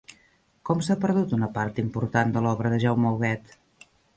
Com s'ha perdut una part important de l'obra de Jaume Huguet?